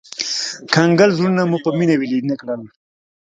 کنګل زړونه مو په مينه ويلي نه کړل